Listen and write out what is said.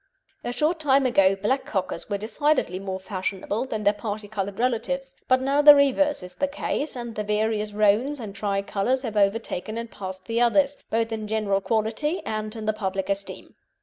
A short time ago black Cockers were decidedly more fashionable than their parti coloured relatives, but now the reverse is the case, and the various roans and tricolours have overtaken and passed the others, both in general quality and in the public esteem.